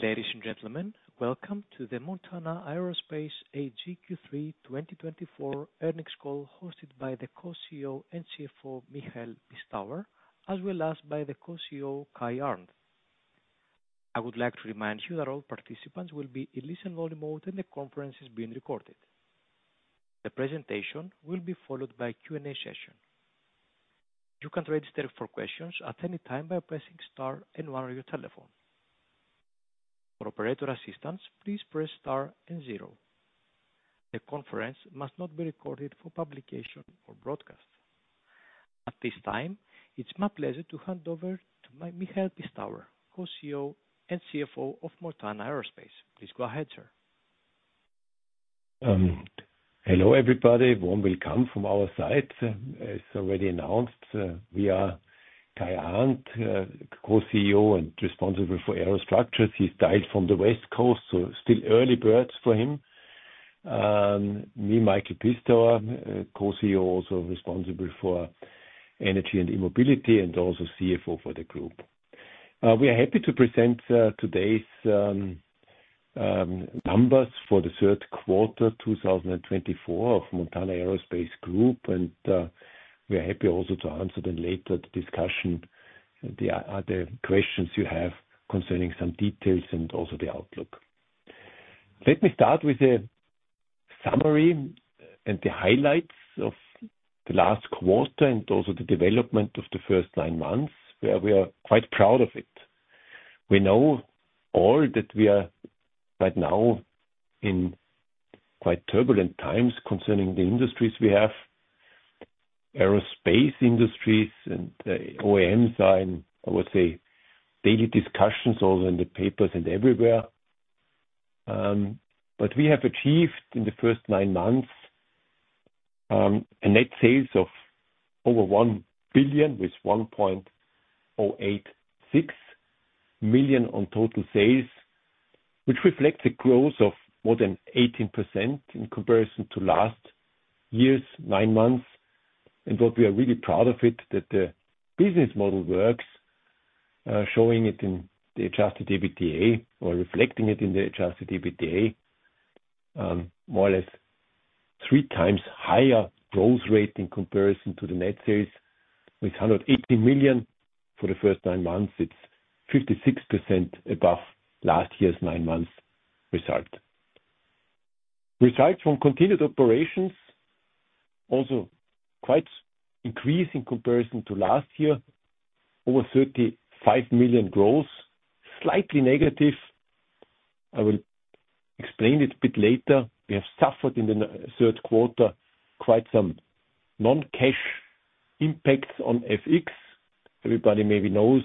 Ladies and gentlemen, welcome to the Montana Aerospace AG Q3 2024 earnings call hosted by the Co-CEO and CFO, Michael Pistauer, as well as by the Co-CEO, Kai Arndt. I would like to remind you that all participants will be in listen-only mode, and the conference is being recorded. The presentation will be followed by a Q&A session. You can register for questions at any time by pressing star and one on your telephone. For operator assistance, please press star and zero. The conference must not be recorded for publication or broadcast. At this time, it's my pleasure to hand over to Michael Pistauer, Co-CEO and CFO of Montana Aerospace. Please go ahead, sir. Hello everybody, warm welcome from our side. As already announced, we are Kai Arndt, co-CEO and responsible for Aerostructures. He's dialed in from the West Coast, so still early birds for him. Me, Michael Pistauer, co-CEO, also responsible for Energy and mobility and also CFO for the group. We are happy to present today's numbers for the third quarter 2024 of Montana Aerospace Group, and we are happy also to answer them later at the discussion, the other questions you have concerning some details and also the outlook. Let me start with a summary and the highlights of the last quarter and also the development of the first nine months, where we are quite proud of it. We all know that we are right now in quite turbulent times concerning the industries we have, aerospace industries, and OEMs are, I would say, daily discussions also in the papers and everywhere. But we have achieved in the first nine months a net sales of over 1 billion with 1,086 million in total sales, which reflects a growth of more than 18% in comparison to last year's nine months. And what we are really proud of is that the business model works, showing it in the Adjusted EBITDA or reflecting it in the Adjusted EBITDA, more or less three times higher growth rate in comparison to the net sales with 180 million for the first nine months. It's 56% above last year's nine months result. Results from continued operations also quite increased in comparison to last year, over 35 million growth, slightly negative. I will explain it a bit later. We have suffered in the third quarter quite some non-cash impacts on FX. Everybody maybe knows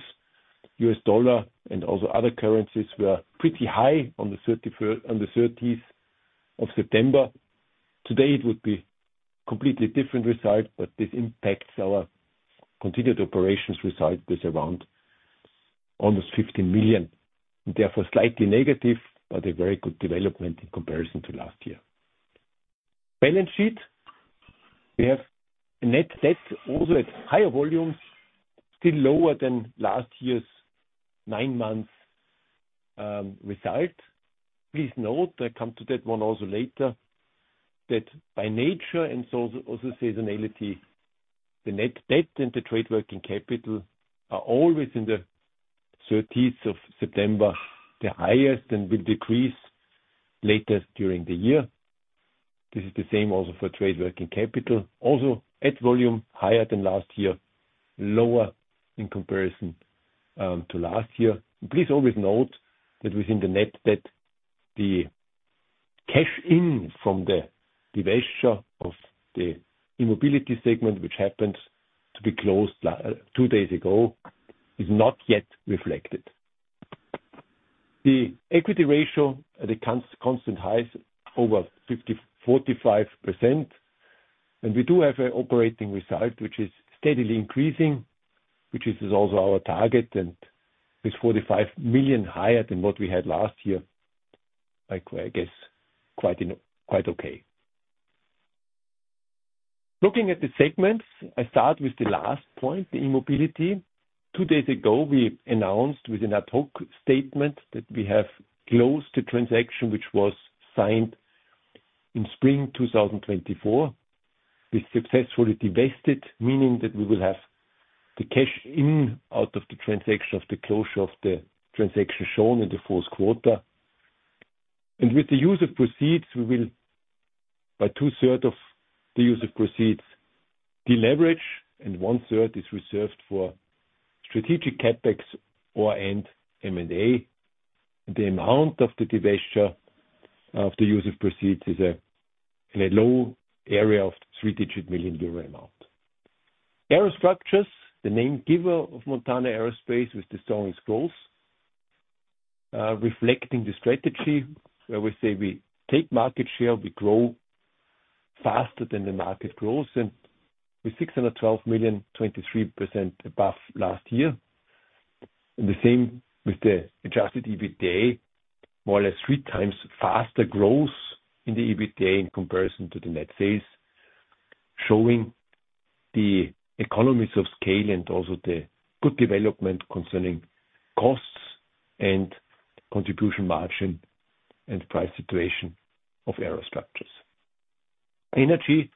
US dollar and also other currencies were pretty high on the 30th of September. Today, it would be a completely different result, but this impacts our continued operations result is around almost 15 million, and therefore slightly negative, but a very good development in comparison to last year. Balance sheet, we have a net debt also at higher volumes, still lower than last year's nine months result. Please note, I come to that one also later, that by nature and also seasonality, the net debt and the trade working capital are always in the 30th of September, the highest and will decrease later during the year. This is the same also for trade working capital. Also at volume, higher than last year, lower in comparison to last year. Please always note that within the net debt, the cash in from the divestiture of the E-Mobility segment, which happened to be closed two days ago, is not yet reflected. The equity ratio at a constant high is over 45%, and we do have an operating result which is steadily increasing, which is also our target, and it's 45 million higher than what we had last year, I guess quite okay. Looking at the segments, I start with the last point, the E-Mobility. Two days ago, we announced within our half-year statement that we have closed the transaction which was signed in spring 2024. We successfully divested, meaning that we will have the cash inflow from the transaction upon closure of the transaction shown in the fourth quarter. And with the use of proceeds, we will use two-thirds of the use of proceeds, deleverage, and one-third is reserved for strategic CapEx or M&A. The amount of the divestiture of the use of proceeds is a low three-digit million euro amount. Aerostructures, the name giver of Montana Aerospace with the strongest growth, reflecting the strategy where we say we take market share, we grow faster than the market grows, and with 612 million, 23% above last year. The same with the Adjusted EBITDA, more or less three times faster growth in the EBITDA in comparison to the net sales, showing the economies of scale and also the good development concerning costs and contribution margin and price situation of Aerostructures. Energy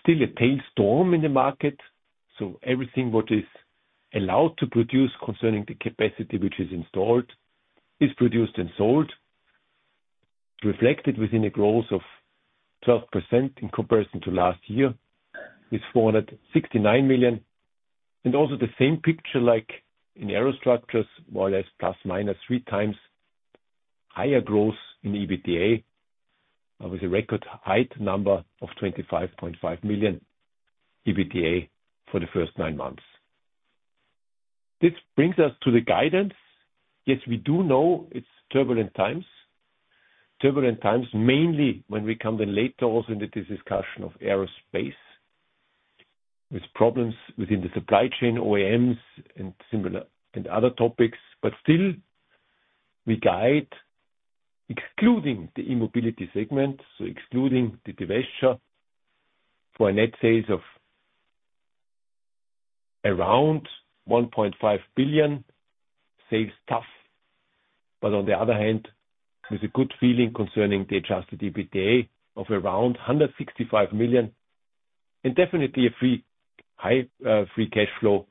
still a tailwind in the market, so everything what is allowed to produce concerning the capacity which is installed is produced and sold, reflected within a growth of 12% in comparison to last year with 469 million. The same picture like in Aerostructures, more or less ±3x higher growth in EBITDA with a record high number of 25.5 million EBITDA for the first nine months. This brings us to the guidance. Yes, we do know it's turbulent times, turbulent times mainly when we come then later also into this discussion of aerospace with problems within the supply chain, OEMs, and other topics. But still, we guide excluding the E-Mobility segment, so excluding the divestiture for a net sales of around 1.5 billion, sales tough, but on the other hand, with a good feeling concerning the Adjusted EBITDA of around 165 million, and definitely a free cash flow,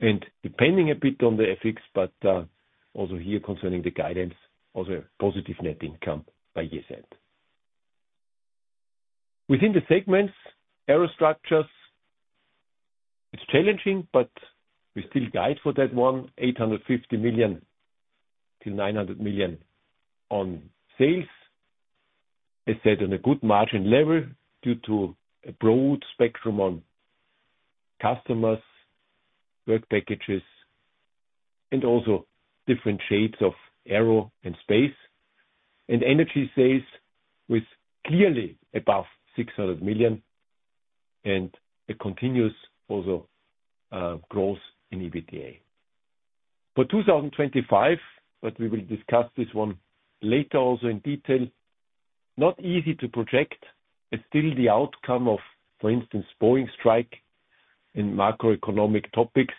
and depending a bit on the FX, but also here concerning the guidance, also a positive net income by year's end. Within the segments, Aerostructures, it's challenging, but we still guide for that one, 850 million-900 million on sales, as said on a good margin level due to a broad spectrum on customers, work packages, and also different shades of aero and space, and Energy sales with clearly above 600 million and a continuous also growth in EBITDA. For 2025, but we will discuss this one later also in detail, not easy to project, as still the outcome of, for instance, Boeing strike and macroeconomic topics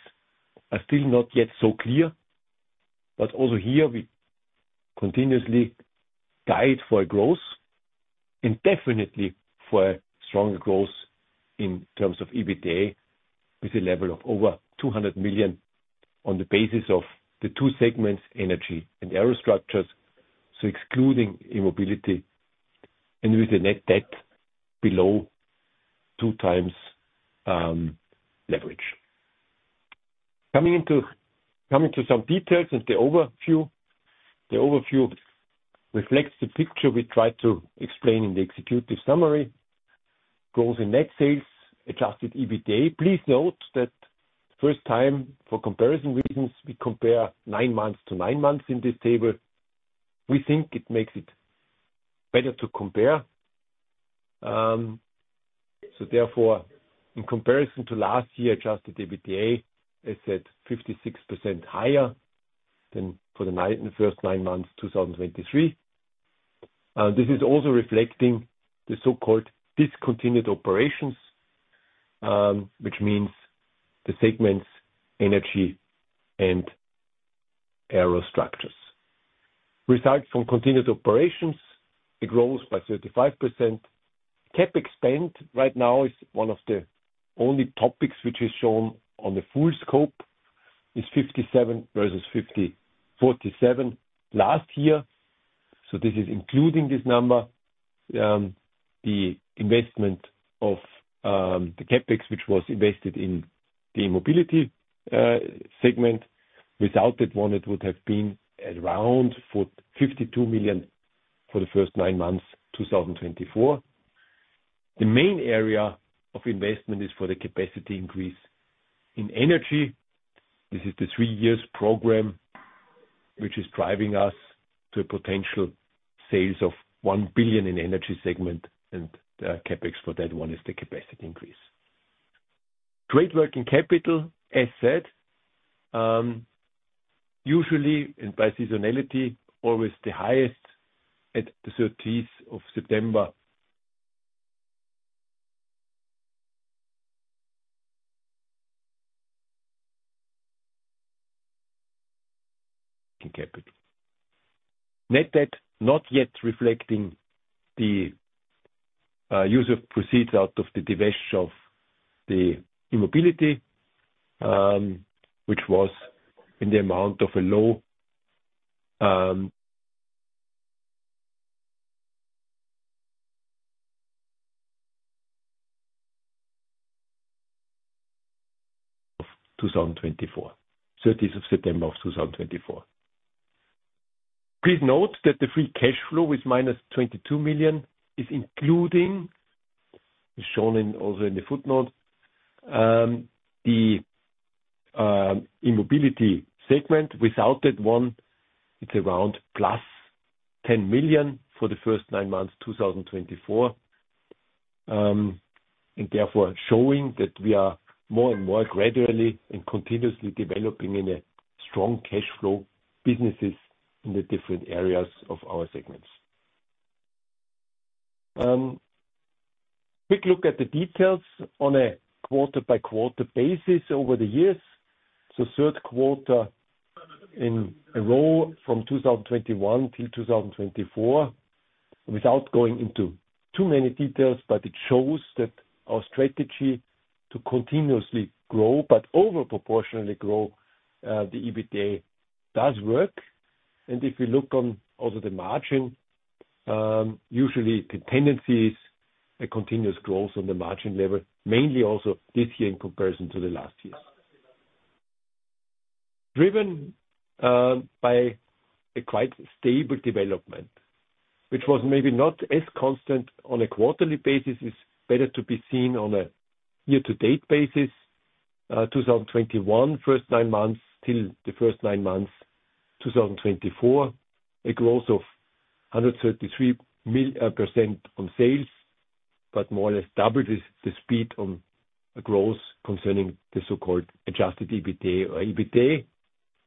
are still not yet so clear, but also here we continuously guide for a growth and definitely for a stronger growth in terms of EBITDA with a level of over 200 million on the basis of the two segments, Energy and Aerostructures, so excluding E-Mobility and with a net debt below two times leverage. Coming into some details and the overview, the overview reflects the picture we tried to explain in the executive summary: growth in net sales, Adjusted EBITDA. Please note that the first time for comparison reasons, we compare nine months to nine months in this table. We think it makes it better to compare. So therefore, in comparison to last year, Adjusted EBITDA, as said, 56% higher than for the first nine months 2023. This is also reflecting the so-called discontinued operations, which means the segments Energy and Aerostructures. Results from continued operations: it grows by 35%. CapEx spend right now is one of the only topics which is shown on the full scope, is 57 versus 47 last year. So this is including this number. The investment of the CapEx, which was invested in the E-Mobility segment, without that one, it would have been around 52 million for the first nine months 2024. The main area of investment is for the capacity increase in Energy. This is the three-year program, which is driving us to a potential sales of 1 billion in Energy segment, and CapEx for that one is the capacity increase. Trade working capital, as said, usually and by seasonality, always the highest at the 30th of September. Net debt not yet reflecting the use of proceeds out of the divestiture of the E-Mobility, which was in the amount of a low of 2024, 30th of September of 2024. Please note that the free cash flow with -22 million is including, as shown also in the footnote, the E-Mobility segment. Without that one, it's around +10 million for the first nine months 2024, and therefore showing that we are more and more gradually and continuously developing in a strong cash flow businesses in the different areas of our segments. Quick look at the details on a quarter-by-quarter basis over the years, so third quarter in a row from 2021 till 2024, without going into too many details, but it shows that our strategy to continuously grow, but overproportionately grow, the EBITDA does work, and if we look on also the margin, usually the tendency is a continuous growth on the margin level, mainly also this year in comparison to the last year. Driven by a quite stable development, which was maybe not as constant on a quarterly basis, is better to be seen on a year-to-date basis. 2021, first nine months till the first nine months 2024, a growth of 133% on sales, but more or less doubled the speed on a growth concerning the so-called Adjusted EBITDA or EBITDA,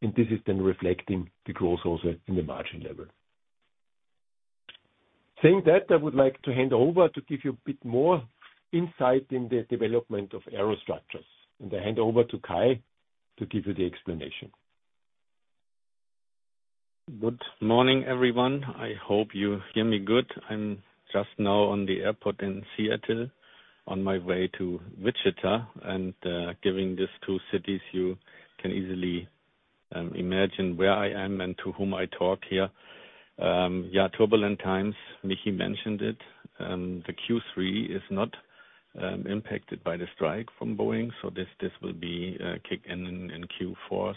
and this is then reflecting the growth also in the margin level. Saying that, I would like to hand over to give you a bit more insight in the development of Aerostructures, and I hand over to Kai to give you the explanation. Good morning, everyone. I hope you hear me good. I'm just now on the airport in Seattle on my way to Wichita, and given these two cities, you can easily imagine where I am and to whom I talk here. Yeah, turbulent times. Michi mentioned it. The Q3 is not impacted by the strike from Boeing, so this will be a kick in Q4.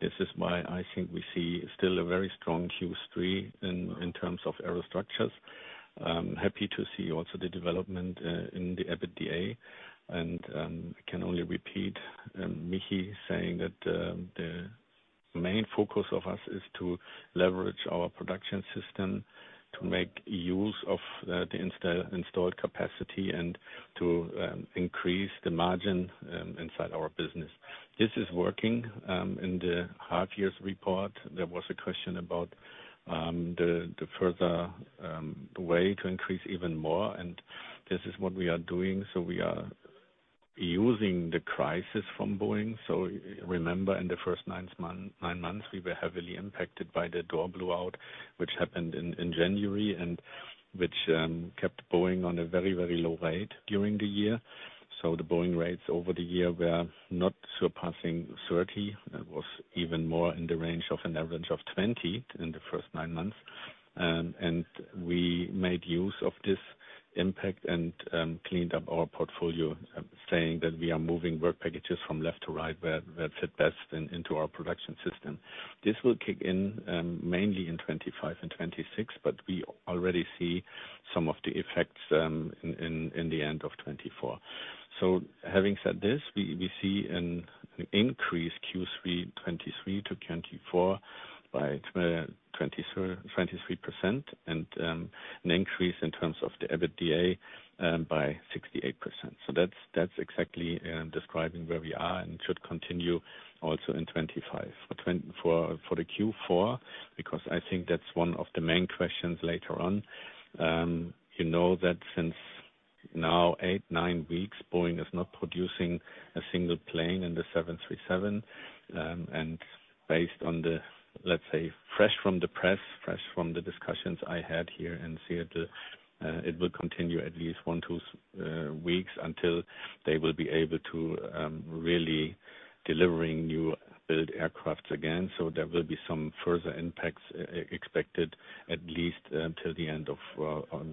This is why I think we see still a very strong Q3 in terms of Aerostructures. Happy to see also the development in the EBITDA, and I can only repeat Michi saying that the main focus of us is to leverage our production system to make use of the installed capacity and to increase the margin inside our business. This is working. In the half-year report, there was a question about the further way to increase even more, and this is what we are doing. So we are using the crisis from Boeing. So remember, in the first nine months, we were heavily impacted by the door blowout, which happened in January, and which kept Boeing on a very, very low rate during the year. So the Boeing rates over the year were not surpassing 30. It was even more in the range of an average of 20 in the first nine months. And we made use of this impact and cleaned up our portfolio, saying that we are moving work packages from left to right where that fit best into our production system. This will kick in mainly in 2025 and 2026, but we already see some of the effects in the end of 2024. So having said this, we see an increase Q3 2023 to 2024 by 23% and an increase in terms of the EBITDA by 68%. So that's exactly describing where we are and should continue also in 2025. For the Q4, because I think that's one of the main questions later on, you know that since now eight, nine weeks, Boeing is not producing a single plane in the 737. And based on the, let's say, fresh from the press, fresh from the discussions I had here in Seattle, it will continue at least one to two weeks until they will be able to really deliver new build aircrafts again. So there will be some further impacts expected at least until the end of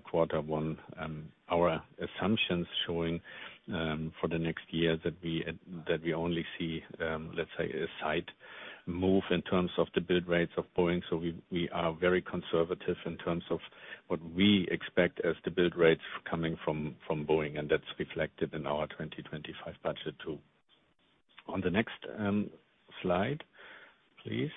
quarter one. Our assumptions showing for the next year that we only see, let's say, a side move in terms of the build rates of Boeing. So we are very conservative in terms of what we expect as the build rates coming from Boeing, and that's reflected in our 2025 budget too. On the next slide, please,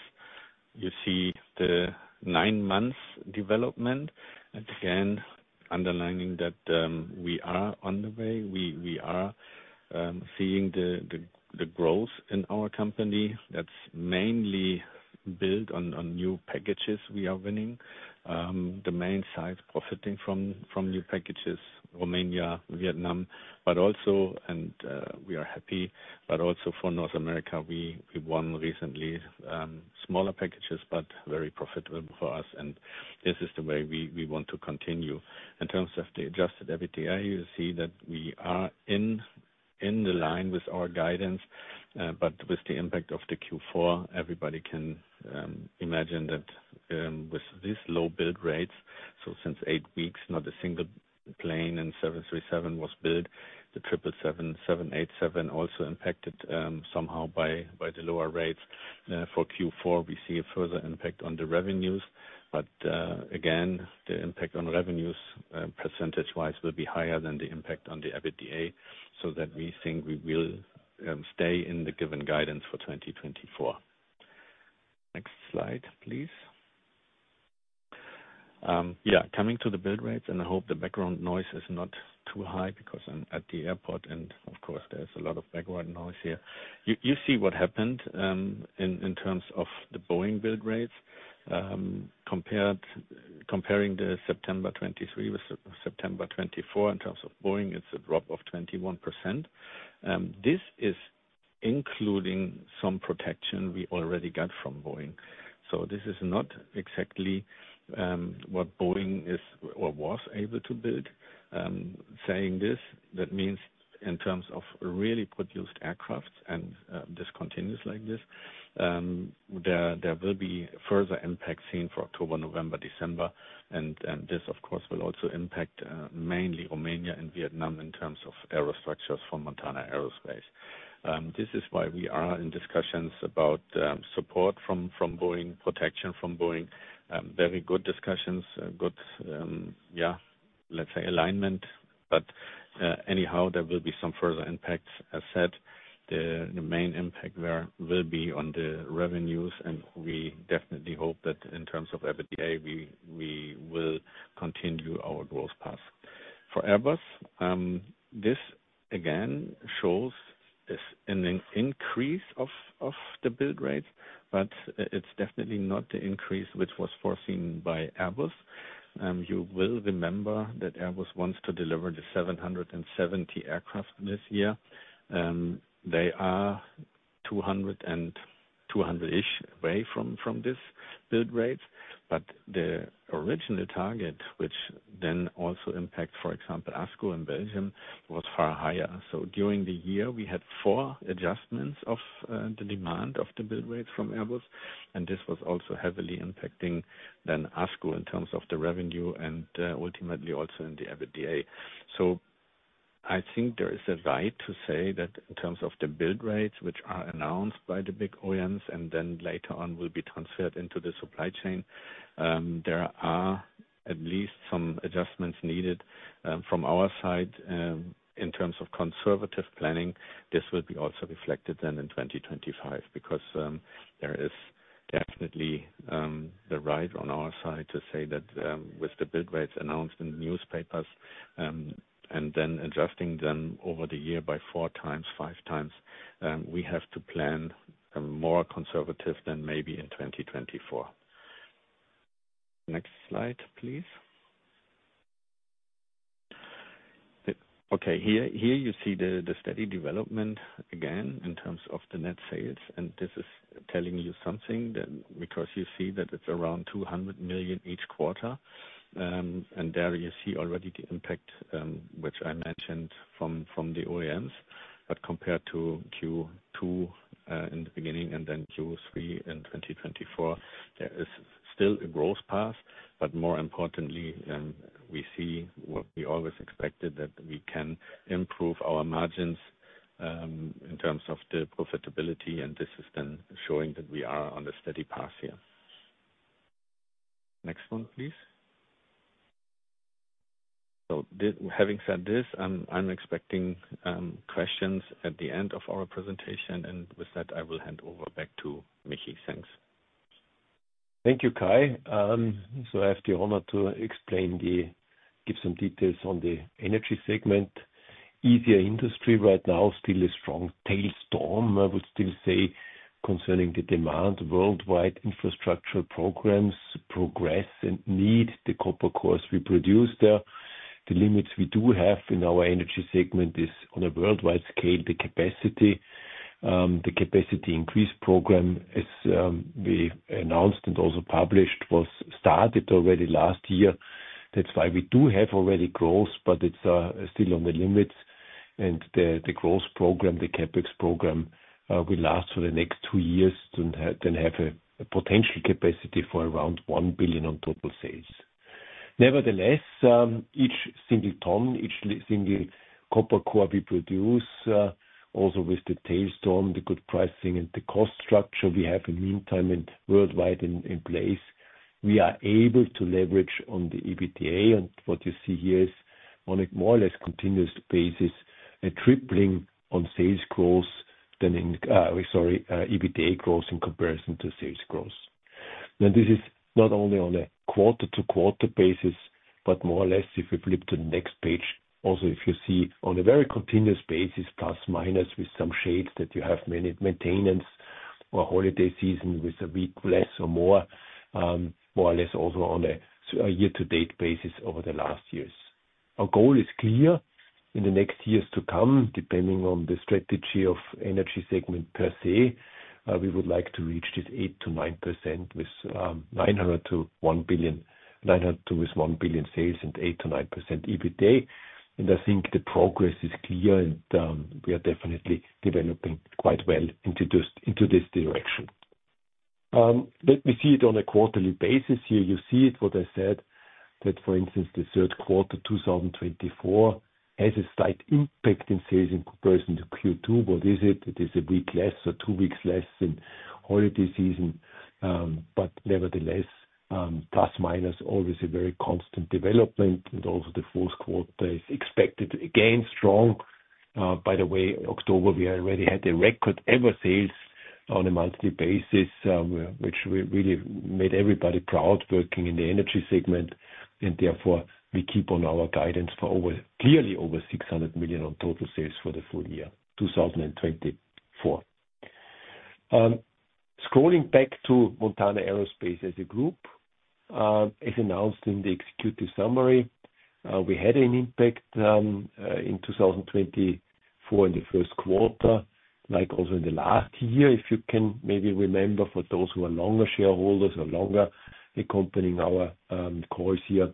you see the nine months development. Again, underlining that we are on the way. We are seeing the growth in our company. That's mainly built on new packages we are winning. The main size profiting from new packages, Romania, Vietnam, but also, and we are happy, but also for North America, we won recently smaller packages, but very profitable for us. And this is the way we want to continue. In terms of the Adjusted EBITDA, you see that we are in line with our guidance, but with the impact of the Q4, everybody can imagine that with these low build rates, so since eight weeks, not a single plane in 737 was built. The 777, 787 also impacted somehow by the lower rates. For Q4, we see a further impact on the revenues, but again, the impact on revenues percentage-wise will be higher than the impact on the EBITDA, so that we think we will stay in the given guidance for 2024. Next slide, please. Yeah, coming to the build rates, and I hope the background noise is not too high because I'm at the airport, and of course, there's a lot of background noise here. You see what happened in terms of the Boeing build rates. Comparing the September 2023 with September 2024, in terms of Boeing, it's a drop of 21%. This is including some protection we already got from Boeing. So this is not exactly what Boeing was able to build. Saying this, that means in terms of really produced aircraft and discontinuities like this, there will be further impact seen for October, November, December. And this, of course, will also impact mainly Romania and Vietnam in terms of Aerostructures from Montana Aerospace. This is why we are in discussions about support from Boeing, protection from Boeing. Very good discussions, good, yeah, let's say alignment, but anyhow, there will be some further impacts. As said, the main impact will be on the revenues, and we definitely hope that in terms of EBITDA, we will continue our growth path. For Airbus, this again shows an increase of the build rates, but it's definitely not the increase which was foreseen by Airbus. You will remember that Airbus wants to deliver the 770 aircraft this year. They are 200-ish away from this build rate, but the original target, which then also impacts, for example, ASCO in Belgium, was far higher. So during the year, we had four adjustments of the demand of the build rates from Airbus, and this was also heavily impacting then ASCO in terms of the revenue and ultimately also in the EBITDA. So I think there is a right to say that in terms of the build rates, which are announced by the big OEMs and then later on will be transferred into the supply chain, there are at least some adjustments needed from our side. In terms of conservative planning, this will be also reflected then in 2025 because there is definitely the right on our side to say that with the build rates announced in newspapers and then adjusting them over the year by four times, five times, we have to plan more conservative than maybe in 2024. Next slide, please. Okay, here you see the steady development again in terms of the net sales, and this is telling you something that because you see that it's around 200 million each quarter, and there you see already the impact which I mentioned from the OEMs. But compared to Q2 in the beginning and then Q3 in 2024, there is still a growth path, but more importantly, we see what we always expected that we can improve our margins in terms of the profitability, and this is then showing that we are on a steady path here. Next one, please. So having said this, I'm expecting questions at the end of our presentation, and with that, I will hand over back to Michi. Thanks. Thank you, Kai. So I have the honor to explain, give some details on the Energy segment. Energy industry right now still a strong tailwind, I would still say, concerning the demand worldwide, infrastructure programs progress and need the copper cores we produce there. The limits we do have in our Energy segment is on a worldwide scale, the capacity. The capacity increase program, as we announced and also published, was started already last year. That's why we do have already growth, but it's still on the limits, and the growth program, the CapEx program, will last for the next two years to then have a potential capacity for around 1 billion on total sales. Nevertheless, each single ton, each single copper core we produce, also with the tailwind, the good pricing and the cost structure we have in the meantime and worldwide in place, we are able to leverage on the EBITDA, and what you see here is on a more or less continuous basis, a tripling on sales growth than in, sorry, EBITDA growth in comparison to sales growth. This is not only on a quarter-to-quarter basis, but more or less, if we flip to the next page, also if you see on a very continuous basis, plus minus with some shades that you have maintenance or holiday season with a week less or more, more or less also on a year-to-date basis over the last years. Our goal is clear in the next years to come, depending on the strategy of Energy segment per se, we would like to reach this 8%-9% with 900 million-1 billion, 900 million to with 1 billion sales and 8%-9% EBITDA. I think the progress is clear, and we are definitely developing quite well into this direction. Let me see it on a quarterly basis. Here you see it, what I said, that for instance, the third quarter 2024 has a slight impact in sales in comparison to Q2. What is it? It is one week less or two weeks less in holiday season, but nevertheless, plus minus, always a very constant development, and also the fourth quarter is expected again strong. By the way, October, we already had a record ever sales on a monthly basis, which really made everybody proud working in the Energy segment, and therefore we keep on our guidance for clearly over 600 million on total sales for the full year, 2024. Scrolling back to Montana Aerospace as a group, as announced in the executive summary, we had an impact in 2024 in the first quarter, like also in the last year, if you can maybe remember for those who are longer shareholders or longer accompanying our calls here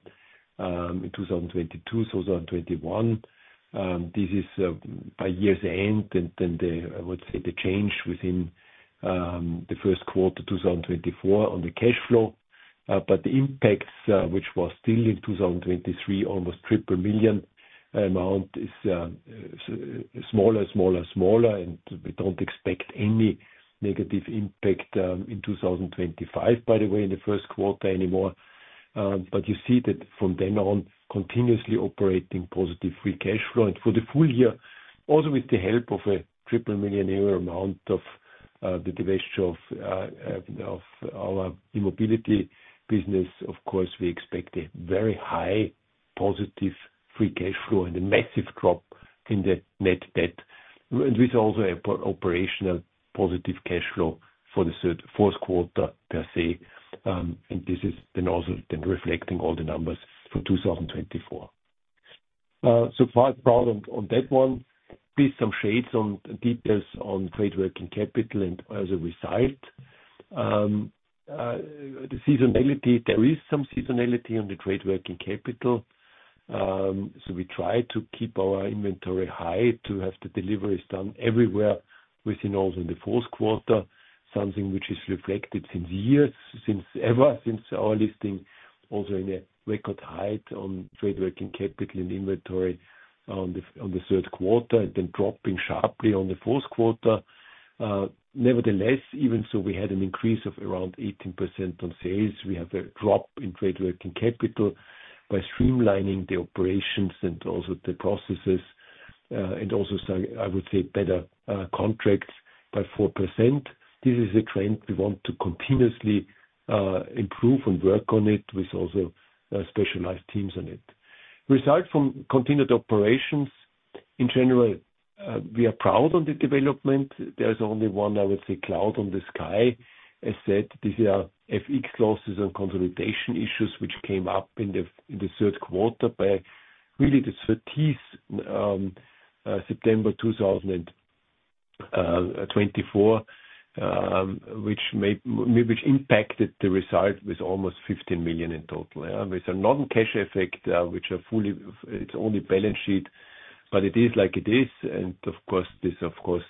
in 2022, 2021. This is by year's end, and then I would say the change within the first quarter 2024 on the cash flow, but the impacts, which was still in 2023, almost triple million amount is smaller, smaller, smaller, and we don't expect any negative impact in 2025, by the way, in the first quarter anymore. But you see that from then on, continuously operating positive free cash flow, and for the full year, also with the help of a triple-digit million amount from the divestiture of our E-Mobility business, of course, we expect a very high positive free cash flow and a massive drop in the net debt. We also have operational positive cash flow for the fourth quarter per se, and this is then also reflecting all the numbers for 2024. We are quite proud on that one. But let me shed some light on details on trade working capital and as a result, the seasonality. There is some seasonality on the trade working capital. So we try to keep our inventory high to have the deliveries done everywhere within also in the fourth quarter, something which is reflected since years, since ever, since our listing, also in a record height on trade working capital and inventory on the third quarter and then dropping sharply on the fourth quarter. Nevertheless, even so we had an increase of around 18% on sales, we have a drop in trade working capital by streamlining the operations and also the processes, and also I would say better contracts by 4%. This is a trend we want to continuously improve and work on it with also specialized teams on it. Result from continued operations. In general, we are proud of the development. There is only one, I would say, cloud on the sky, as said. These are FX losses and consolidation issues which came up in the third quarter by really the 30th September 2024, which impacted the result with almost 15 million in total. There's a non-cash effect which it's only balance sheet, but it is like it is, and of course, this of course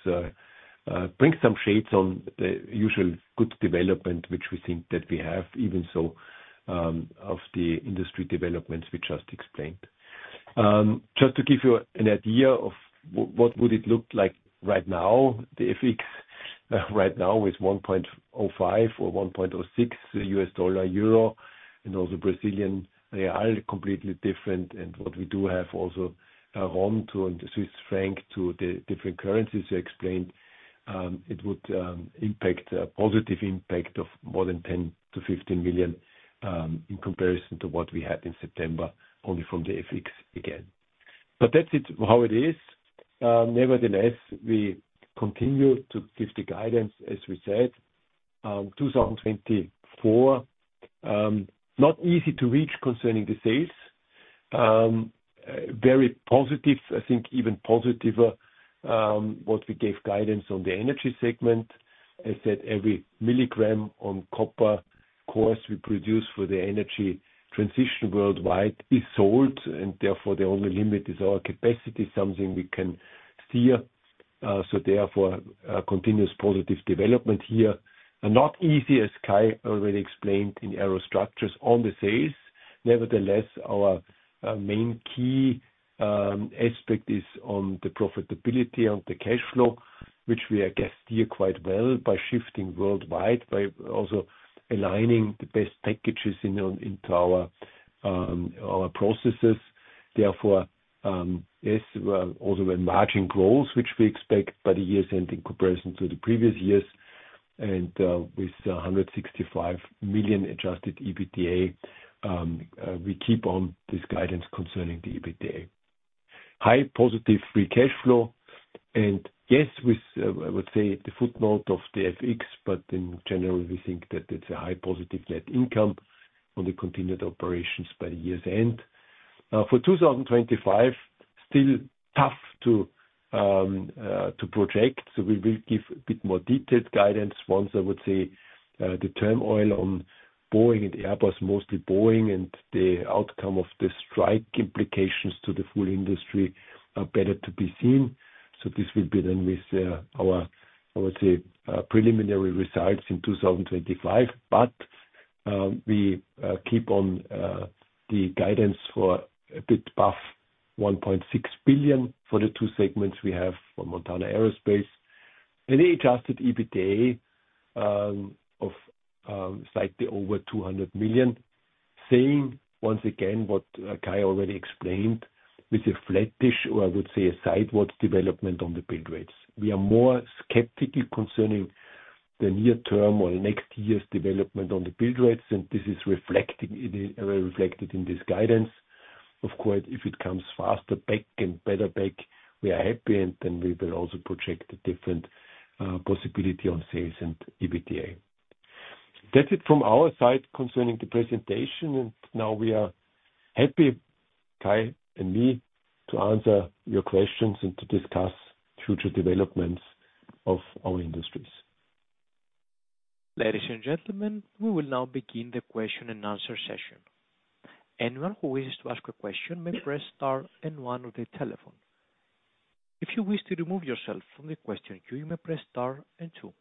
brings some shades on the usual good development which we think that we have, even so of the industry developments we just explained. Just to give you an idea of what it would look like right now, the FX right now is 1.05 or 1.06 US dollar, euro, and also Brazilian real completely different, and what we do have also a RON, too, and Swiss franc, too, the different currencies we explained. It would impact a positive impact of more than 10 million-15 million in comparison to what we had in September only from the FX again. But that's it how it is. Nevertheless, we continue to give the guidance as we said. 2024, not easy to reach concerning the sales, very positive, I think even more positive what we gave guidance on the Energy segment, as said, every milligram on copper cores we produce for the Energy transition worldwide is sold, and therefore the only limit is our capacity, something we can steer. So therefore, continuous positive development here, not easy as Kai already explained in Aerostructures on the sales. Nevertheless, our main key aspect is on the profitability on the cash flow, which we I guess steer quite well by shifting worldwide, by also aligning the best packages into our processes. Therefore, yes, also when margin grows, which we expect by the year's end in comparison to the previous years, and with 165 million Adjusted EBITDA, we keep on this guidance concerning the EBITDA. High positive free cash flow, and yes, with I would say the footnote of the FX, but in general, we think that it's a high positive net income on the continued operations by the year's end. For 2025, still tough to project, so we will give a bit more detailed guidance once, I would say, the turmoil on Boeing and Airbus, mostly Boeing, and the outcome of the strike implications to the full industry are better to be seen. So this will be then with our, I would say, preliminary results in 2025, but we keep on the guidance for a bit above 1.6 billion for the two segments we have for Montana Aerospace, and the Adjusted EBITDA of slightly over 200 million, saying once again what Kai already explained with a flattish or I would say a sidewards development on the build rates. We are more skeptical concerning the near-term or next year's development on the build rates, and this is reflected in this guidance. Of course, if it comes faster back and better back, we are happy, and then we will also project a different possibility on sales and EBITDA. That's it from our side concerning the presentation, and now we are happy, Kai and me, to answer your questions and to discuss future developments of our industries. Ladies and gentlemen, we will now begin the question and answer session. Anyone who wishes to ask a question may press star and one on the telephone. If you wish to remove yourself from the question queue, you may press star and two.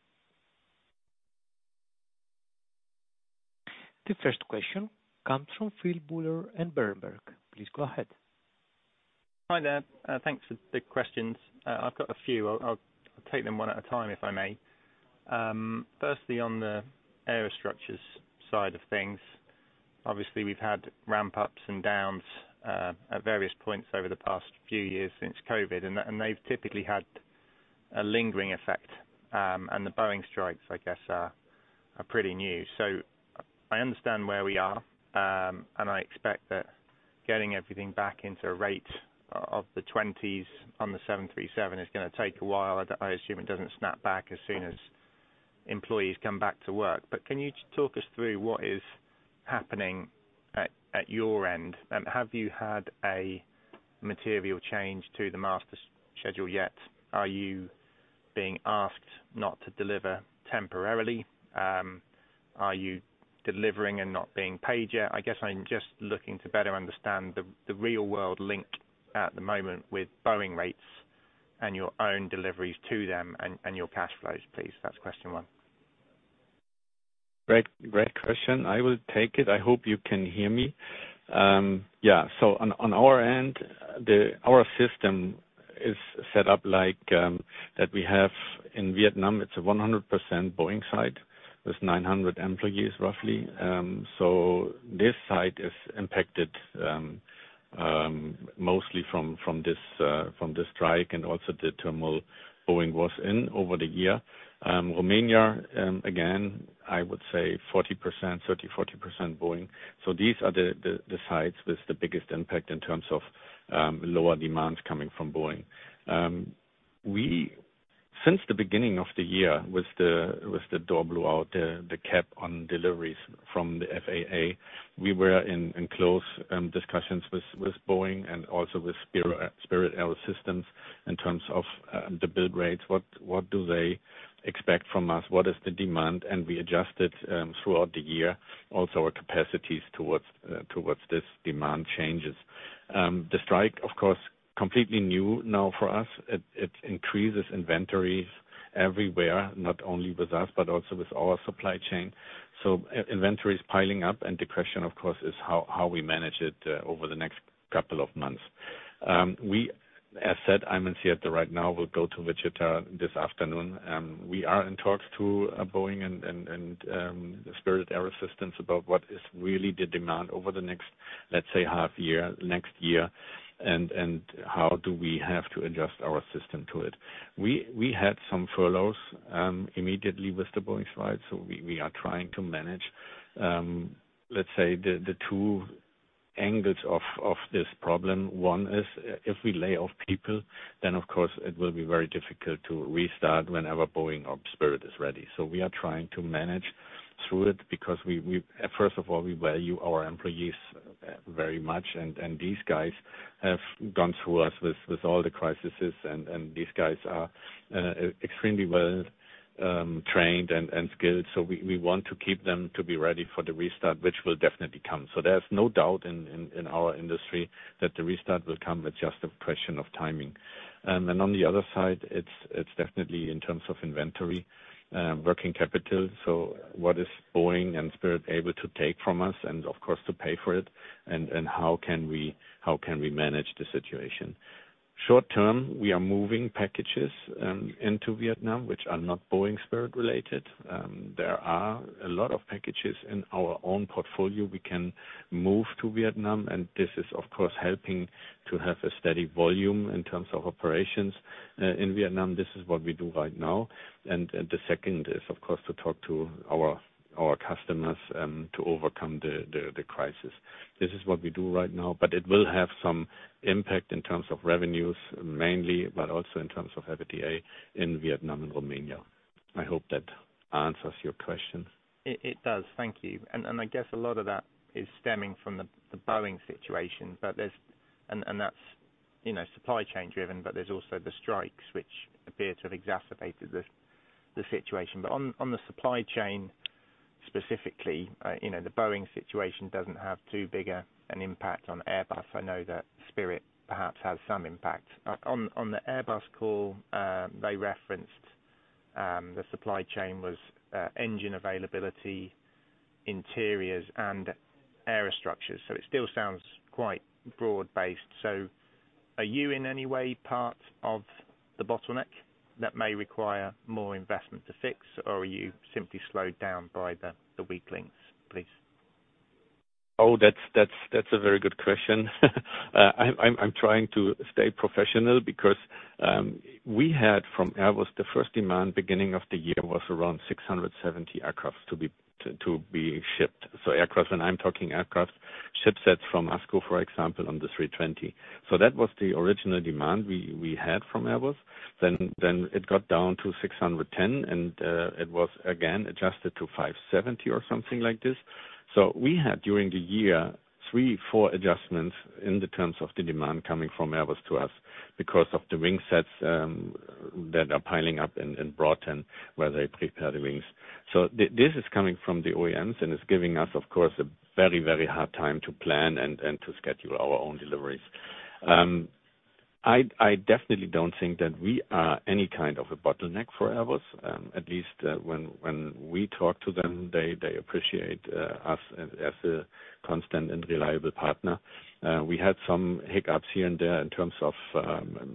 The first question comes from Phil Buller and Berenberg. Please go ahead. Hi there. Thanks for the questions. I've got a few. I'll take them one at a time if I may. Firstly, on the Aerostructures side of things, obviously we've had ramp-ups and downs at various points over the past few years since COVID, and they've typically had a lingering effect, and the Boeing strikes, I guess, are pretty new. So I understand where we are, and I expect that getting everything back into a rate of the 20s on the 737 is going to take a while. I assume it doesn't snap back as soon as employees come back to work. But can you talk us through what is happening at your end? Have you had a material change to the master schedule yet? Are you being asked not to deliver temporarily? Are you delivering and not being paid yet? I guess I'm just looking to better understand the real-world link at the moment with Boeing rates and your own deliveries to them and your cash flows, please. That's question one. Great question. I will take it. I hope you can hear me. Yeah. So on our end, our system is set up like that we have in Vietnam. It's a 100% Boeing site with 900 employees roughly. So this site is impacted mostly from this strike and also the turmoil Boeing was in over the year. Romania, again, I would say 40%, 30%-40% Boeing. So these are the sites with the biggest impact in terms of lower demands coming from Boeing. Since the beginning of the year, with the door blowout, the cap on deliveries from the FAA, we were in close discussions with Boeing and also with Spirit AeroSystems in terms of the build rates. What do they expect from us? What is the demand? And we adjusted throughout the year also our capacities towards this demand changes. The strike, of course, completely new now for us. It increases inventory everywhere, not only with us, but also with our supply chain. So inventory is piling up, and the question, of course, is how we manage it over the next couple of months. As said, I'm in Seattle right now. We'll go to Wichita this afternoon. We are in talks to Boeing and Spirit AeroSystems about what is really the demand over the next, let's say, half year, next year, and how do we have to adjust our system to it. We had some furloughs immediately with the Boeing strike, so we are trying to manage, let's say, the two angles of this problem. One is if we lay off people, then of course it will be very difficult to restart whenever Boeing or Spirit is ready. So we are trying to manage through it because first of all, we value our employees very much, and these guys have gone through us with all the crises, and these guys are extremely well trained and skilled. So we want to keep them to be ready for the restart, which will definitely come. So there's no doubt in our industry that the restart will come. It's just a question of timing. And on the other side, it's definitely in terms of inventory, working capital. So what is Boeing and Spirit able to take from us, and of course to pay for it, and how can we manage the situation? Short term, we are moving packages into Vietnam, which are not Boeing Spirit related. There are a lot of packages in our own portfolio we can move to Vietnam, and this is, of course, helping to have a steady volume in terms of operations in Vietnam. This is what we do right now, and the second is, of course, to talk to our customers to overcome the crisis. This is what we do right now, but it will have some impact in terms of revenues mainly, but also in terms of FAA in Vietnam and Romania. I hope that answers your question. It does. Thank you, and I guess a lot of that is stemming from the Boeing situation, and that's supply chain driven, but there's also the strikes which appear to have exacerbated the situation, but on the supply chain specifically, the Boeing situation doesn't have too big an impact on Airbus. I know that Spirit perhaps has some impact. On the Airbus call, they referenced the supply chain was engine availability, interiors, and Aerostructures. So it still sounds quite broad-based. So are you in any way part of the bottleneck that may require more investment to fix, or are you simply slowed down by the weak links, please? Oh, that's a very good question. I'm trying to stay professional because we had from Airbus the first demand beginning of the year was around 670 aircrafts to be shipped. So aircraft, when I'm talking aircraft, ship sets from ASCO, for example, on the 320. So that was the original demand we had from Airbus. Then it got down to 610, and it was again adjusted to 570 or something like this. So we had during the year three, four adjustments in the terms of the demand coming from Airbus to us because of the wing sets that are piling up in Broughton where they prepare the wings. So this is coming from the OEMs, and it's giving us, of course, a very, very hard time to plan and to schedule our own deliveries. I definitely don't think that we are any kind of a bottleneck for Airbus. At least when we talk to them, they appreciate us as a constant and reliable partner. We had some hiccups here and there in terms of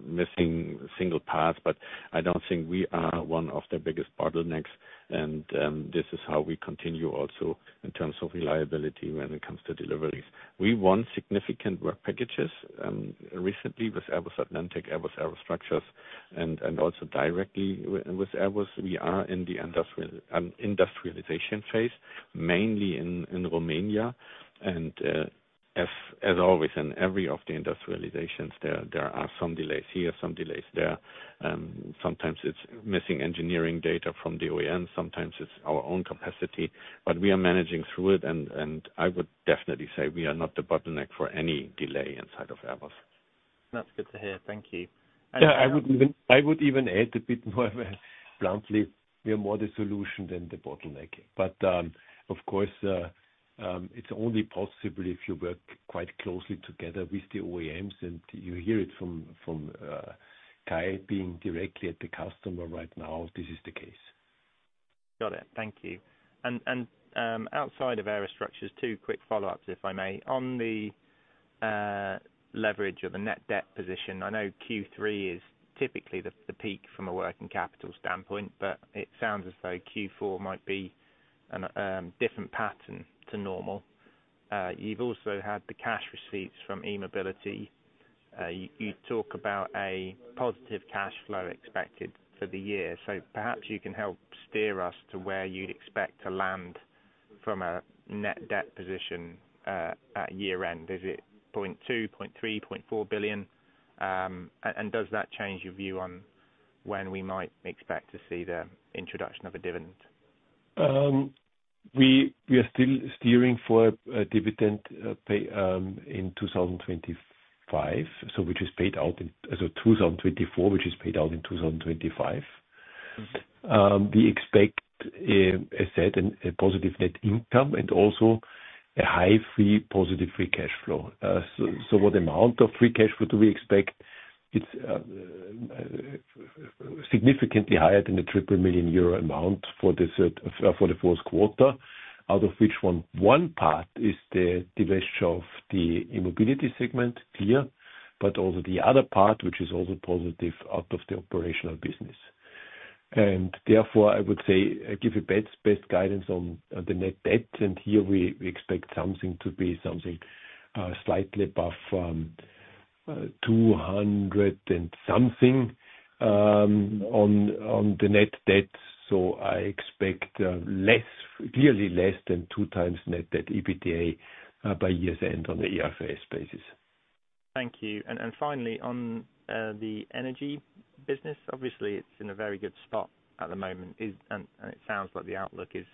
missing single paths, but I don't think we are one of the biggest bottlenecks, and this is how we continue also in terms of reliability when it comes to deliveries. We won significant work packages recently with Airbus Atlantic, Airbus Aerostructures, and also directly with Airbus. We are in the industrialization phase, mainly in Romania. And as always, in every of the industrializations, there are some delays here, some delays there. Sometimes it's missing engineering data from the OEMs. Sometimes it's our own capacity, but we are managing through it, and I would definitely say we are not the bottleneck for any delay inside of Airbus. That's good to hear. Thank you. Yeah. I would even add a bit more bluntly. We are more the solution than the bottleneck. But of course, it's only possible if you work quite closely together with the OEMs, and you hear it from Kai being directly at the customer right now. This is the case. Got it. Thank you. And outside of Aerostructures, two quick follow-ups if I may. On the leverage or the net debt position, I know Q3 is typically the peak from a working capital standpoint, but it sounds as though Q4 might be a different pattern to normal. You've also had the cash receipts from E-Mobility. You talk about a positive cash flow expected for the year. So perhaps you can help steer us to where you'd expect to land from a net debt position at year-end. Is it 0.2 bilion, 0.3 billion, EUR 0.4 billion? And does that change your view on when we might expect to see the introduction of a dividend? We are still steering for a dividend in 2025, which is paid out in 2024, which is paid out in 2025. We expect, as said, a positive net income and also a high positive free cash flow. So what amount of free cash flow do we expect? It's significantly higher than the 3 million euro amount for the fourth quarter, out of which one part is the divestiture of the E-Mobility segment here, but also the other part, which is also positive out of the operational business. And therefore, I would say I give you best guidance on the net debt, and here we expect something to be something slightly above 200-something on the net debt. So I expect clearly less than two times net debt EBITDA by year's end on the IFRS basis. Thank you. And finally, on the Energy business, obviously it's in a very good spot at the moment, and it sounds like the outlook is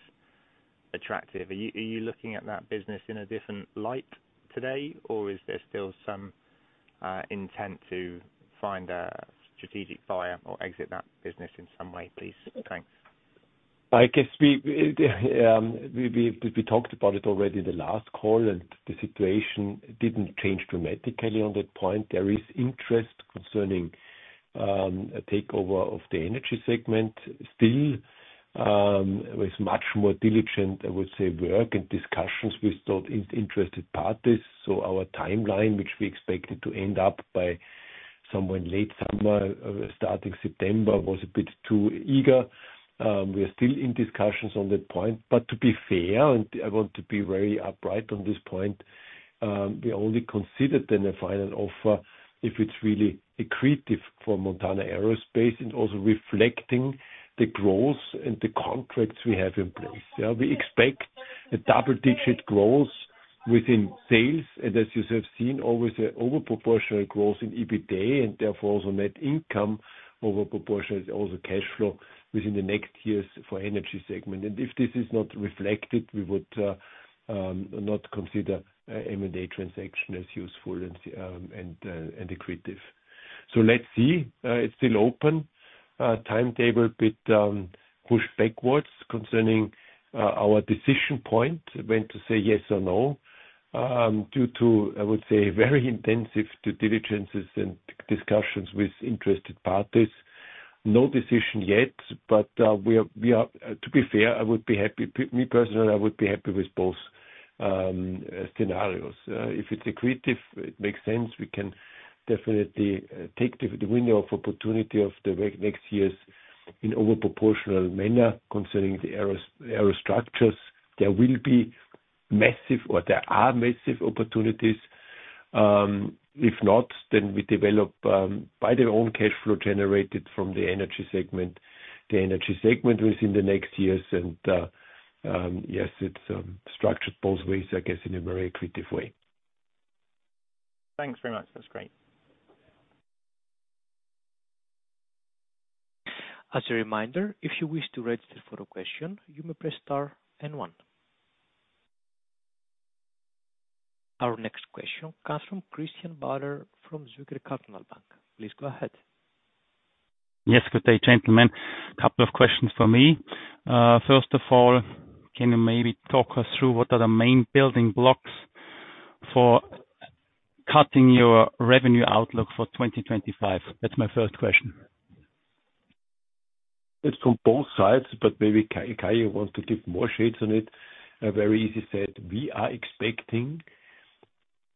attractive. Are you looking at that business in a different light today, or is there still some intent to find a strategic buyer or exit that business in some way, please? Thanks. I guess we talked about it already in the last call, and the situation didn't change dramatically on that point. There is interest concerning a takeover of the Energy segment. Still, with much more diligent, I would say, work and discussions with interested parties. So our timeline, which we expected to end up by somewhere in late summer, starting September, was a bit too eager. We are still in discussions on that point. But to be fair, and I want to be very upfront on this point, we only considered then a final offer if it's really attractive for Montana Aerospace and also reflecting the growth and the contracts we have in place. We expect a double-digit growth within sales, and as you have seen, always an overproportional growth in EBITDA and therefore also net income overproportionally, also cash flow within the next years for Energy segment. If this is not reflected, we would not consider M&A transaction as useful and equitable. So let's see. It's still open. The timetable a bit pushed backwards concerning our decision point, when to say yes or no, due to, I would say, very intensive due diligence and discussions with interested parties. No decision yet, but to be fair, I would be happy me personally, I would be happy with both scenarios. If it's equitable, it makes sense. We can definitely take the window of opportunity of the next years in overproportional manner concerning the Aerostructures. There will be massive or there are massive opportunities. If not, then we develop by their own cash flow generated from the Energy segment. The Energy segment within the next years, and yes, it's structured both ways, I guess, in a very equitable way. Thanks very much. That's great. As a reminder, if you wish to register for the question, you may press star and one. Our next question comes from Christian Bader from Zürcher Kantonalbank. Please go ahead. Yes. Good day, gentlemen. Couple of questions for me. First of all, can you maybe talk us through what are the main building blocks for cutting your revenue outlook for 2025? That's my first question. It's from both sides, but maybe Kai, you want to give more sheds on it. It's very easily said. We are expecting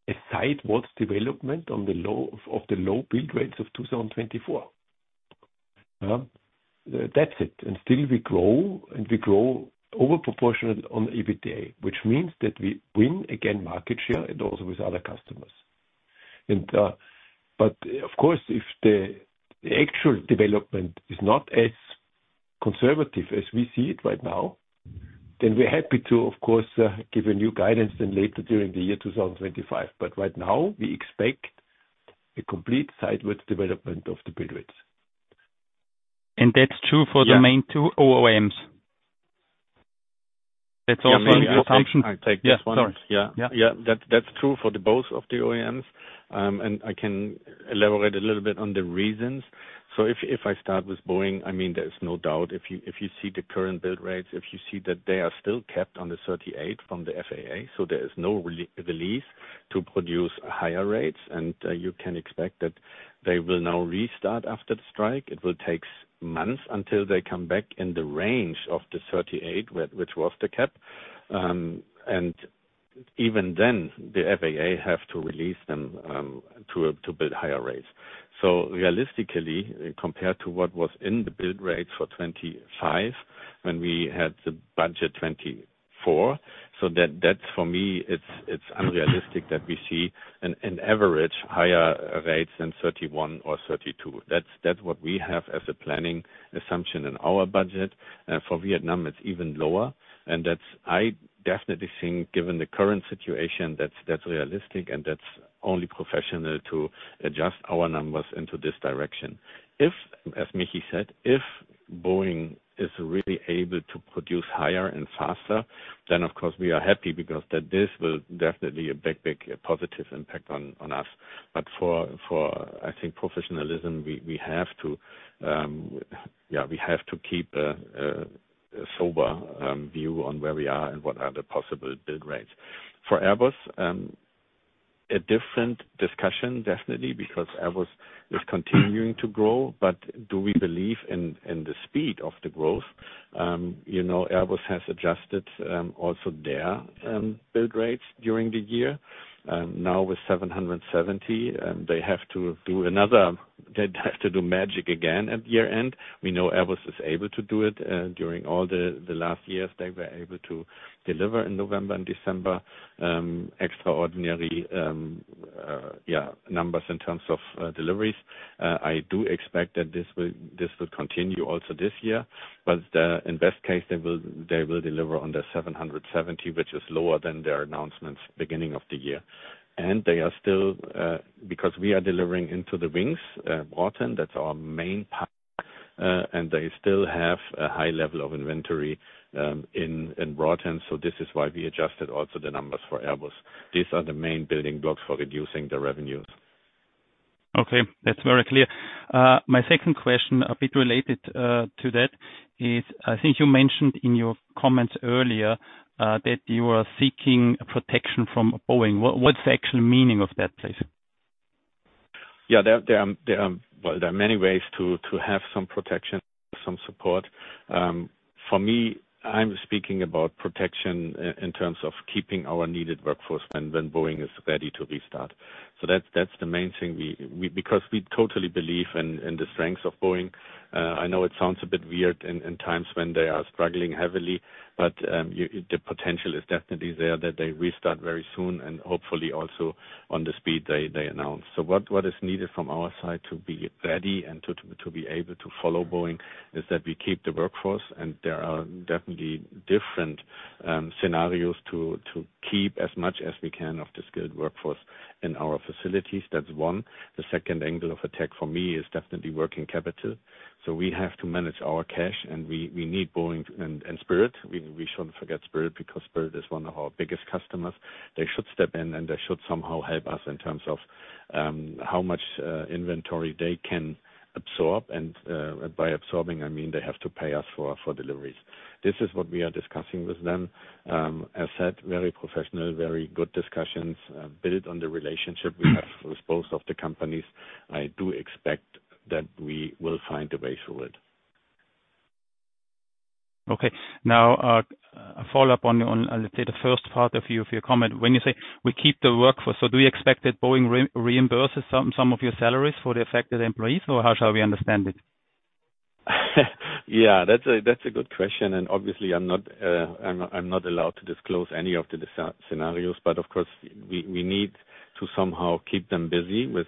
a sideways development of the low build rates of 2024. That's it. And still we grow, and we grow disproportionately on EBITDA, which means that we win market share again and also with other customers. But of course, if the actual development is not as conservative as we see it right now, then we're happy to, of course, give a new guidance then later during the year 2025. But right now, we expect a complete sidewards development of the build rates. And that's true for the main two OEMs? That's also an assumption. Sorry. Yeah. Yeah. That's true for both of the OEMs, and I can elaborate a little bit on the reasons. So if I start with Boeing, I mean, there's no doubt if you see the current build rates, if you see that they are still capped on the 38 from the FAA, so there is no release to produce higher rates, and you can expect that they will now restart after the strike. It will take months until they come back in the range of the 38, which was the cap. Even then, the FAA has to release them to build higher rates. Realistically, compared to what was in the build rates for 2025 when we had the budget 2024, so that's for me, it's unrealistic that we see an average higher rate than 31 or 32. That's what we have as a planning assumption in our budget. For Vietnam, it's even lower, and I definitely think given the current situation, that's realistic, and that's only professional to adjust our numbers into this direction. As Michi said, if Boeing is really able to produce higher and faster, then of course, we are happy because this will definitely have a big, big positive impact on us. But for, I think, professionalism, we have to, yeah, we have to keep a sober view on where we are and what are the possible build rates. For Airbus, a different discussion definitely because Airbus is continuing to grow, but do we believe in the speed of the growth? Airbus has adjusted also their build rates during the year. Now with 770, they have to do magic again at year-end. We know Airbus is able to do it. During all the last years, they were able to deliver in November and December extraordinary, yeah, numbers in terms of deliveries. I do expect that this will continue also this year, but in best case, they will deliver under 770, which is lower than their announcements beginning of the year, and they are still, because we are delivering into the wings, Broughton, that's our main part, and they still have a high level of inventory in Broughton, so this is why we adjusted also the numbers for Airbus. These are the main building blocks for reducing the revenues. Okay. That's very clear. My second question, a bit related to that, is I think you mentioned in your comments earlier that you are seeking protection from Boeing. What's the actual meaning of that, please? Yeah. Well, there are many ways to have some protection, some support. For me, I'm speaking about protection in terms of keeping our needed workforce when Boeing is ready to restart. So that's the main thing because we totally believe in the strength of Boeing. I know it sounds a bit weird in times when they are struggling heavily, but the potential is definitely there that they restart very soon and hopefully also on the speed they announced. What is needed from our side to be ready and to be able to follow Boeing is that we keep the workforce, and there are definitely different scenarios to keep as much as we can of the skilled workforce in our facilities. That's one. The second angle of attack for me is definitely working capital. We have to manage our cash, and we need Boeing and Spirit. We shouldn't forget Spirit because Spirit is one of our biggest customers. They should step in, and they should somehow help us in terms of how much inventory they can absorb. And by absorbing, I mean they have to pay us for deliveries. This is what we are discussing with them. As said, very professional, very good discussions built on the relationship we have with both of the companies. I do expect that we will find a way through it. Okay. Now, a follow-up on, let's say, the first part of your comment. When you say we keep the workforce, so do you expect that Boeing reimburses some of your salaries for the affected employees, or how shall we understand it? Yeah. That's a good question, and obviously, I'm not allowed to disclose any of the scenarios, but of course, we need to somehow keep them busy with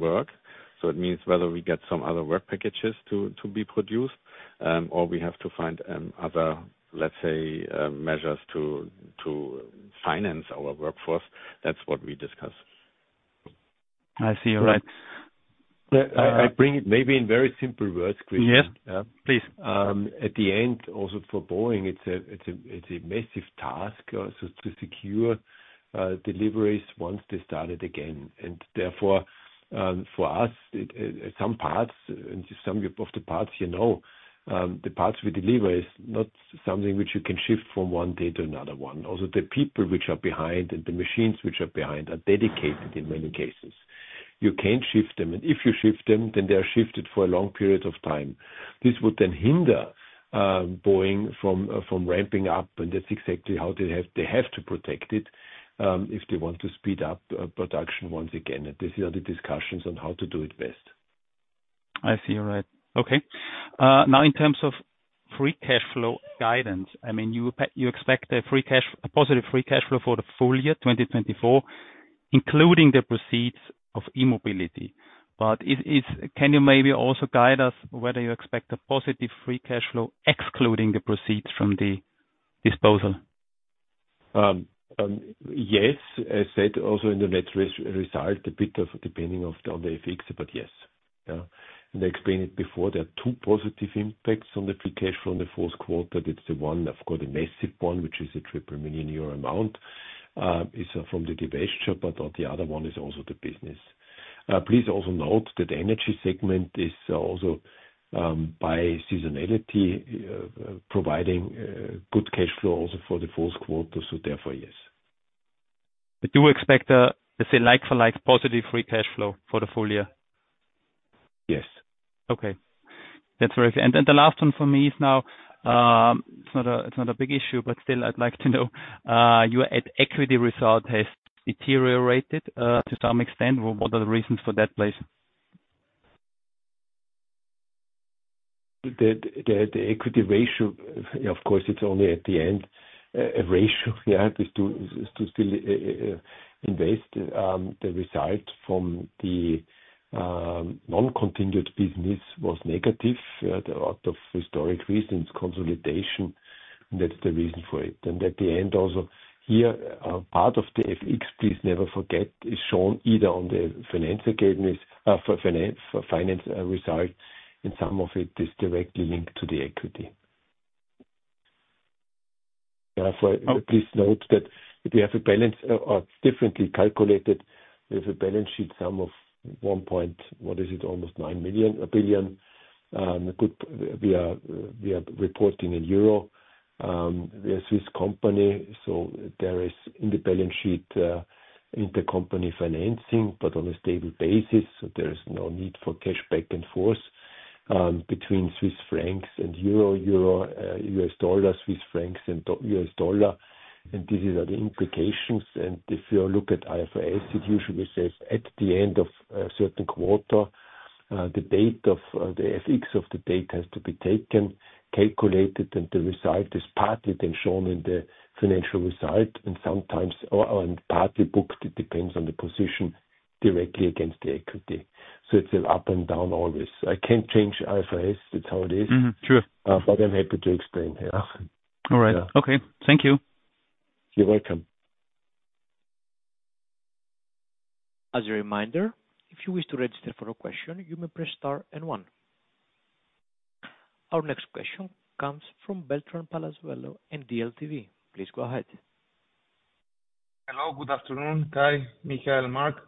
work. So it means whether we get some other work packages to be produced or we have to find other, let's say, measures to finance our workforce. That's what we discuss. I see. All right. I bring it maybe in very simple words, Christian. Yes. Please. At the end, also for Boeing, it's a massive task to secure deliveries once they started again. And therefore, for us, some parts, and some of the parts you know, the parts we deliver is not something which you can shift from one day to another one. Also, the people which are behind and the machines which are behind are dedicated in many cases. You can't shift them, and if you shift them, then they are shifted for a long period of time. This would then hinder Boeing from ramping up, and that's exactly how they have to protect it if they want to speed up production once again. And this is the discussions on how to do it best. I see. All right. Okay. Now, in terms of free cash flow guidance, I mean, you expect a positive free cash flow for the full year, 2024, including the proceeds of E-Mobility. But can you maybe also guide us whether you expect a positive free cash flow excluding the proceeds from the disposal? Yes. As said, also in the net result, a bit of depending on the effects, but yes. And I explained it before. There are two positive impacts on the free cash flow in the fourth quarter. That's the one, of course, the massive one, which is a 3 million euro amount, is from the divestiture, but the other one is also the business. Please also note that the Energy segment is also by seasonality providing good cash flow also for the fourth quarter, so therefore, yes. I do expect a, let's say, like-for-like positive free cash flow for the full year. Yes. Okay. That's very clear. And the last one for me is now. It's not a big issue, but still, I'd like to know. Your equity result has deteriorated to some extent. What are the reasons for that, please? The equity ratio, of course. It's only at the end. A ratio, yeah, to still invest. The result from the discontinued business was negative out of historical reasons, consolidation. That's the reason for it. And at the end, also here, part of the FX, please never forget, is shown either on the finance result, and some of it is directly linked to the equity. Please note that we have a balance sheet differently calculated. We have a balance sheet sum of 1.9 billion. We are reporting in euro. We are a Swiss company, so there is in the balance sheet intercompany financing, but on a stable basis. So there is no need for cash back and forth between Swiss francs and euro, US dollar, Swiss francs, and US dollar. And these are the implications. And if you look at IFRS, it usually says at the end of a certain quarter, the date of the FX of the date has to be taken, calculated, and the result is partly then shown in the financial result and sometimes partly booked. It depends on the position directly against the equity. So it's up and down always. I can't change IFRS. It's how it is. But I'm happy to explain. Yeah. All right. Okay. Thank you. You're welcome. As a reminder, if you wish to register for a question, you may press star and one. Our next question comes from Beltran Palazuelo and DLTV. Please go ahead. Hello. Good afternoon, Kai, Michael, Marc. Thank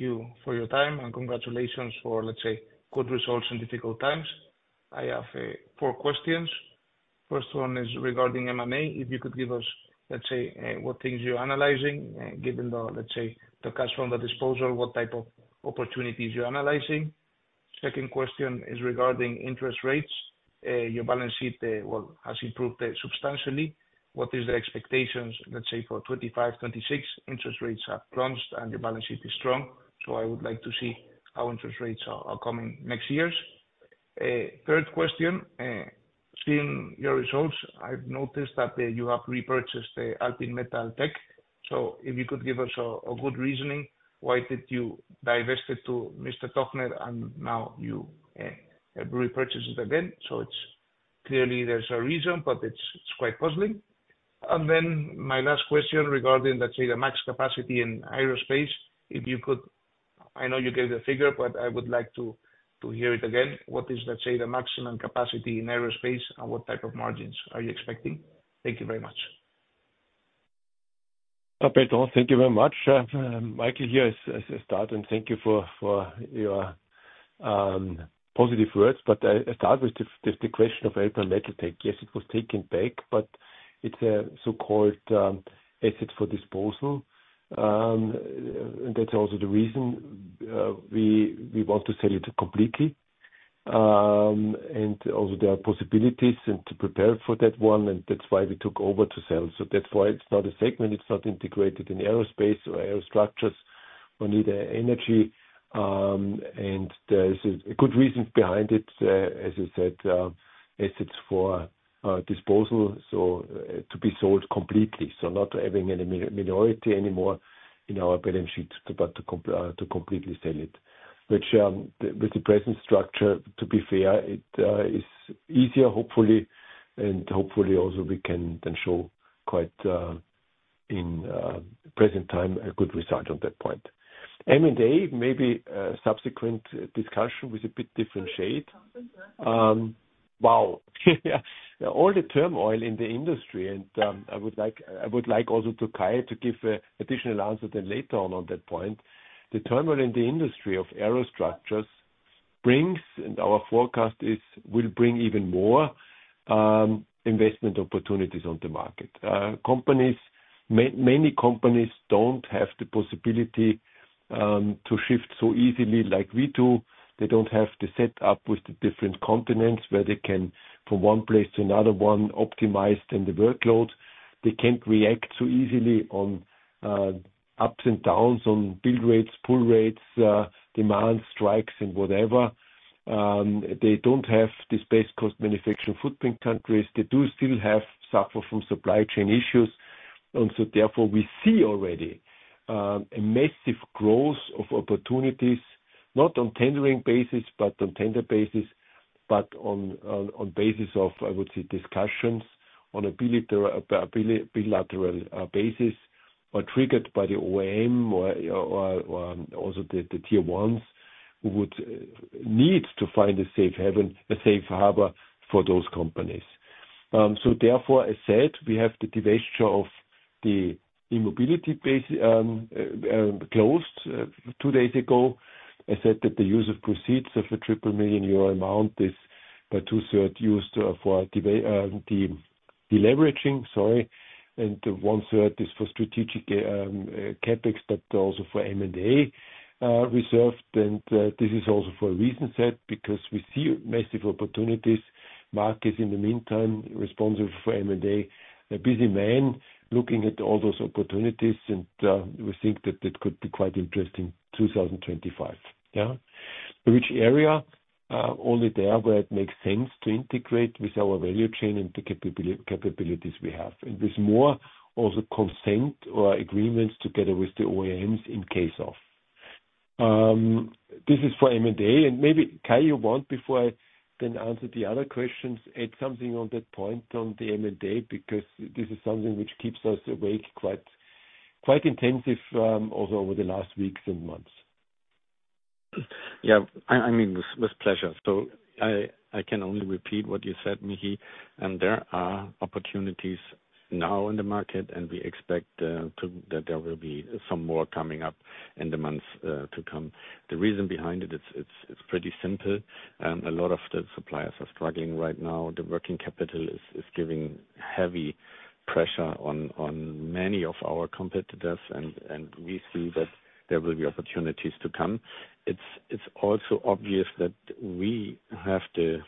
you for your time, and congratulations for, let's say, good results in difficult times. I have four questions. First one is regarding M&A. If you could give us, let's say, what things you're analyzing given the, let's say, the cash from the disposal, what type of opportunities you're analyzing. Second question is regarding interest rates. Your balance sheet, well, has improved substantially. What is the expectations, let's say, for 2025, 2026? Interest rates have plunged, and your balance sheet is strong, so I would like to see how interest rates are coming next year's. Third question, seeing your results, I've noticed that you have repurchased Alpine Metal Tech. So if you could give us a good reasoning, why did you divest it to Mr. Tojner and now you have repurchased it again? Clearly, there's a reason, but it's quite puzzling. And then my last question regarding, let's say, the max capacity in aerospace. If you could, I know you gave the figure, but I would like to hear it again. What is, let's say, the maximum capacity in aerospace, and what type of margins are you expecting? Thank you very much. Perfect. Thank you very much. Michael, here I start, and thank you for your positive words, but I start with the question of Alpine Metal Tech. Yes, it was taken back, but it's a so-called asset for disposal. And that's also the reason we want to sell it completely. And also there are possibilities to prepare for that one, and that's why we took over to sell. So that's why it's not a segment. It's not integrated in aerospace or Aerostructures or E-Mobility or Energy. There is a good reason behind it, as I said, assets for disposal, so to be sold completely. So not having any minority anymore in our balance sheet, but to completely sell it. Which, with the present structure, to be fair, it is easier, hopefully, and hopefully also we can then show quite in present time a good result on that point. M&A, maybe subsequent discussion with a bit different shade. Wow. All the turmoil in the industry, and I would like also to Kai to give an additional answer then later on on that point. The turmoil in the industry of Aerostructures brings, and our forecast is will bring even more investment opportunities on the market. Many companies don't have the possibility to shift so easily like we do. They don't have to set up with the different continents where they can from one place to another one optimize the workload. They can't react so easily on ups and downs on build rates, pull rates, demand spikes, and whatever. They don't have this low-cost manufacturing footprint countries. They do still suffer from supply chain issues. And so therefore, we see already a massive growth of opportunities, not on tendering basis, but on tender basis, but on basis of, I would say, discussions on a bilateral basis or triggered by the OEM or also the Tier 1s who would need to find a safe harbor for those companies. So therefore, as said, we have the divestiture of the E-Mobility closed two days ago. I said that the use of proceeds of a 300 million euro amount is about two-thirds used for the deleveraging, sorry. And one-third is for strategic CapEx, but also for M&A reserved. And this is also for a reason, because we see massive opportunities. Mark is in the meantime responsible for M&A, a busy man looking at all those opportunities, and we think that it could be quite interesting 2025. Yeah. Which area? Only there where it makes sense to integrate with our value chain and the capabilities we have. And with more also consent or agreements together with the OEMs in case of. This is for M&A. And maybe, Kai, you want before I then answer the other questions, add something on that point on the M&A because this is something which keeps us awake quite intensive also over the last weeks and months. Yeah. I mean, with pleasure. So I can only repeat what you said, Michi. There are opportunities now in the market, and we expect that there will be some more coming up in the months to come. The reason behind it, it's pretty simple. A lot of the suppliers are struggling right now. The working capital is giving heavy pressure on many of our competitors, and we see that there will be opportunities to come. It's also obvious that we have to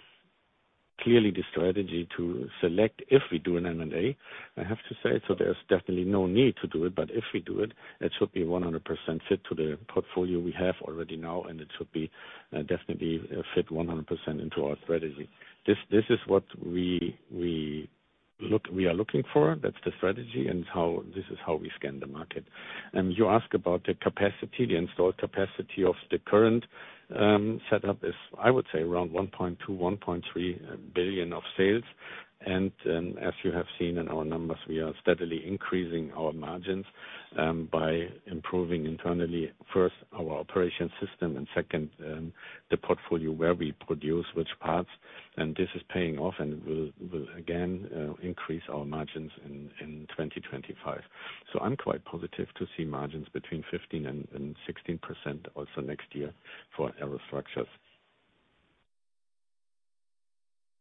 clearly the strategy to select if we do an M&A, I have to say. There's definitely no need to do it, but if we do it, it should be 100% fit to the portfolio we have already now, and it should be definitely fit 100% into our strategy. This is what we are looking for. That's the strategy, and this is how we scan the market. You ask about the capacity. The installed capacity of the current setup is, I would say, around 1.2 billion-1.3 billion of sales. As you have seen in our numbers, we are steadily increasing our margins by improving internally, first, our operations, and second, the portfolio where we produce which parts. This is paying off, and it will again increase our margins in 2025. I'm quite positive to see margins between 15% and 16% also next year for Aerostructures.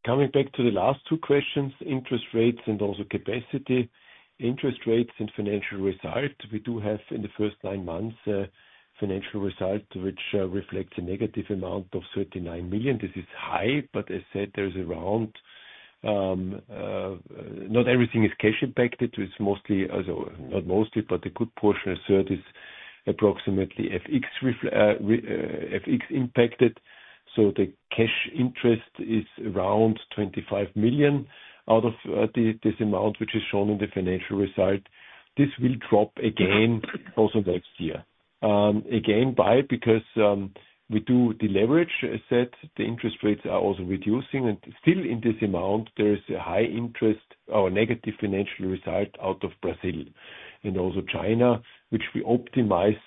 Coming back to the last two questions, interest rates and also capacity. Interest rates and financial result. We do have in the first nine months financial result which reflects a negative amount of 39 million. This is high, but as said, there is around not everything is cash impacted. It's mostly, not mostly, but a good portion as it is approximately FX impacted. The cash interest is around 25 million out of this amount which is shown in the financial result. This will drop again also next year. Again, why? Because we do the leverage, as said, the interest rates are also reducing. And still in this amount, there is a high interest, our negative financial result out of Brazil and also China, which we optimize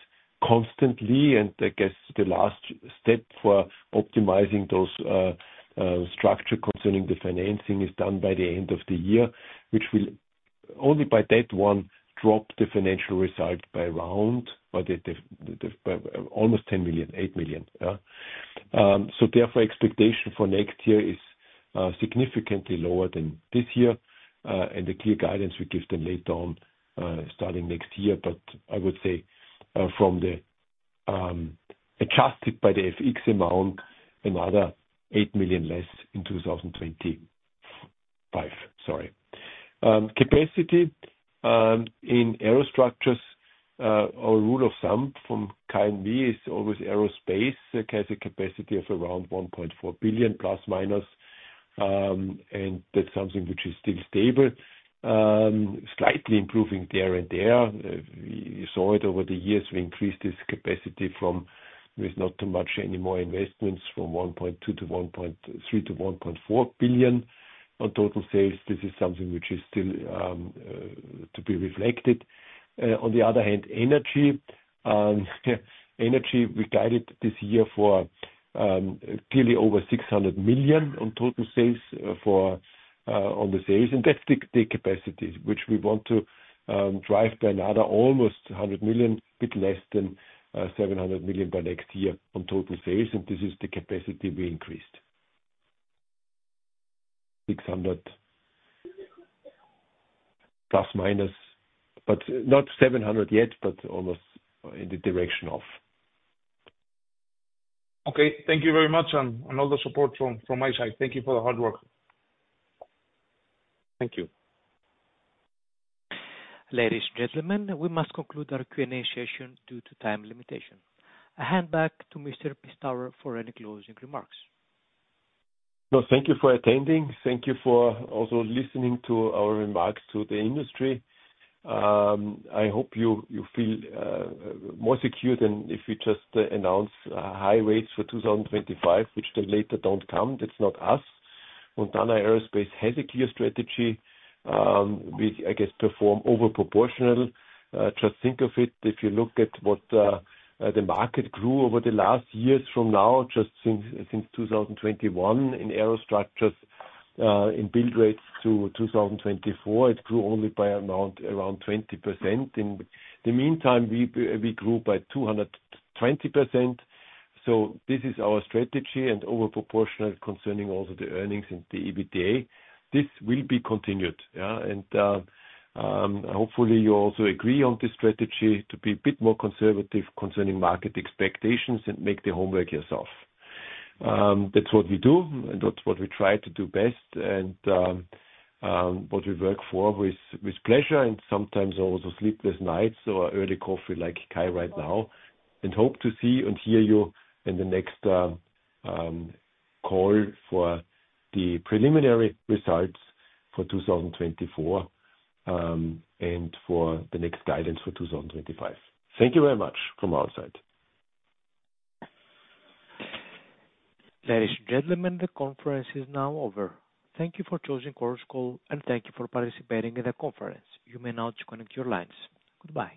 constantly. And I guess the last step for optimizing those structure concerning the financing is done by the end of the year, which will only by that one drop the financial result by around, by almost 10 million to 8 million. So therefore, expectation for next year is significantly lower than this year. And the clear guidance we give them later on starting next year, but I would say from the adjusted by the FX amount, another 8 million less in 2025, sorry. Capacity in Aerostructures, our rule of thumb from Kai and me is always aerospace. It has a capacity of around 1.4 billion, plus minus. That's something which is still stable, slightly improving here and there. We saw it over the years. We increased this capacity from, with not too much anymore investments, from 1.2 billion to 1.3 billion to 1.4 billion on total sales. This is something which is still to be reflected. On the other hand, Energy. Energy, we guided this year for clearly over 600 million on total sales for on the sales. That's the capacity which we want to drive by another almost 100 million, a bit less than 700 million by next year on total sales. This is the capacity we increased. 600 million plus minus, but not 700 million yet, but almost in the direction of. Okay. Thank you very much and all the support from my side. Thank you for the hard work. Thank you. Ladies and gentlemen, we must conclude our Q&A session due to time limitation. I hand back to Mr. Pistauer for any closing remarks. Thank you for attending. Thank you for also listening to our remarks to the industry. I hope you feel more secure than if we just announce high rates for 2025, which they later don't come. That's not us. Montana Aerospace has a clear strategy. We, I guess, perform overproportional. Just think of it. If you look at what the market grew over the last years from now, just since 2021 in Aerostructures in build rates to 2024, it grew only by around 20%. In the meantime, we grew by 220%. So this is our strategy and overproportional concerning also the earnings and the EBITDA. This will be continued. And hopefully, you also agree on this strategy to be a bit more conservative concerning market expectations and make the homework yourself. That's what we do, and that's what we try to do best, and what we work for with pleasure and sometimes also sleepless nights or early coffee like Kai right now. And hope to see and hear you in the next call for the preliminary results for 2024 and for the next guidance for 2025. Thank you very much from our side. Ladies and gentlemen, the conference is now over. Thank you for choosing Chorus Call, and thank you for participating in the conference. You may now disconnect your lines. Goodbye.